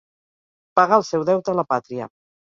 Pagar el seu deute a la pàtria.